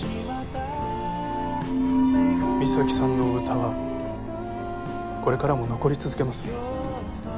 美咲さんの歌はこれからも残り続けます。